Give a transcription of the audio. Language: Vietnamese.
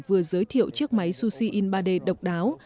vừa giới thiệu chiếc máy sushi in ba d độc đáo